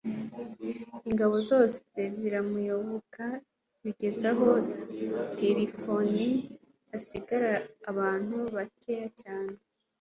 ingabo zose ziramuyoboka bigeza aho tirifoni asigarana abantu bakeya cyane